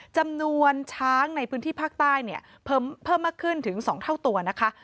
จำนวนช้างในพื้นที่ภาคใต้เนี่ยเพิ่มมากขึ้นถึง๒เท่าตัวนะคะ